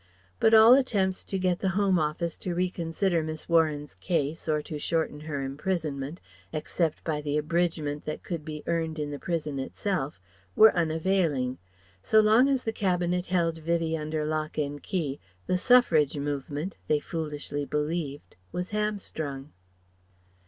But all attempts to get the Home Office to reconsider Miss Warren's case or to shorten her imprisonment (except by the abridgment that could be earned in the prison itself) were unavailing. So long as the Cabinet held Vivie under lock and key, the Suffrage movement they foolishly believed was hamstrung.